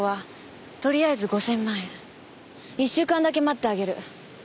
１週間だけ待ってあげる。